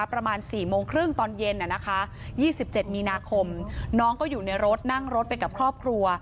ประมาณ๔๓๐ปกติตอนเย็นน่ะนะคะ๒๗มีนาคมน้องก็อยู่ในรถนั่งรถไปกับครอบครัว